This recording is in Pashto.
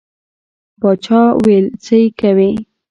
باچا ویل څه یې کوې.